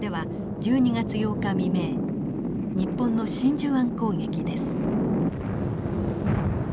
日本の真珠湾攻撃です。